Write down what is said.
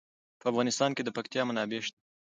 په افغانستان کې د پکتیا منابع شته.